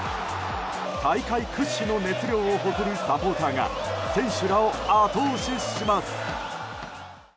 大会屈指の熱量を誇るサポーターが選手らを後押しします。